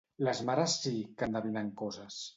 Les mares sí, que endevinen coses!